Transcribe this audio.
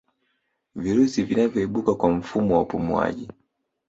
virusi vinavyoibuka kwa mfumo wa upumuwaji